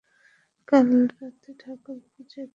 কাল রাত্রে ঠাকুরপো যে কীর্তি করিলেন।